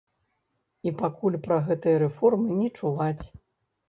І пакуль пра гэтыя рэформы не чуваць.